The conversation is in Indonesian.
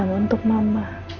terutama untuk mama